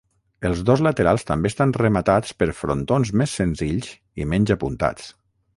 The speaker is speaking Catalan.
Els dos laterals també estan rematats per frontons més senzills i menys apuntats.